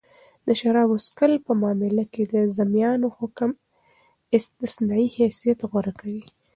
د شرابو څښل په معامله کښي د ذمیانو حکم استثنايي حیثت غوره کوي.